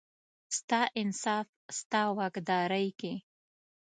ستا انصاف، ستا واکدارۍ کې،